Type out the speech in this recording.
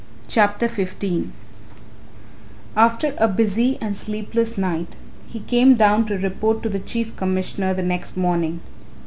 CHAPTER XV After a busy and sleepless night he came down to report to the Chief Commissioner the next morning.